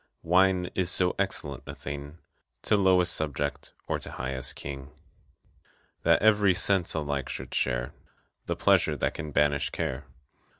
Wine is so excellent a thing To lowest subject, or to highest king, That every sense alike should share The pleasure that can banish care.